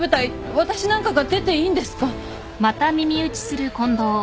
私なんかが出ていいんですか？